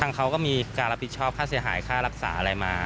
เขาก็มีการรับผิดชอบค่าเสียหายค่ารักษาอะไรมา